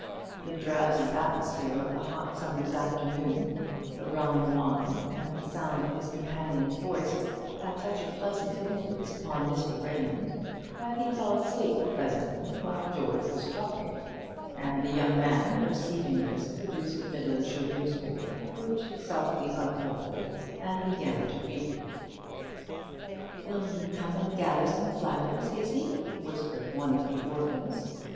The drowsy atmosphere of the hot summer's afternoon, the Rhine wine, and the sound of his companion's voice, had such a pleasant influence upon Mr. Raymond, that he fell asleep presently while George was talking; and the young man, perceiving this, produced a Midlandshire newspaper, which he softly unfolded, and began to read. "Will you come and gather some flowers, Izzie?" whispered one of the orphans.